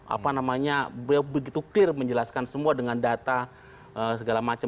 apa namanya begitu clear menjelaskan semua dengan data segala macam